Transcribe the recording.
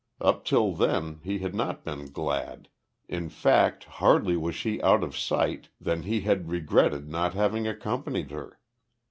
Up till then he had not been glad; in fact, hardly was she out of sight than he had regretted not having accompanied her.